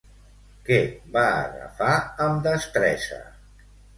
Què va agafar amb destresa?